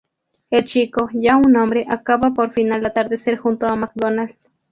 El chico, ya un hombre, acaba por fin al atardecer junto a Macdonald.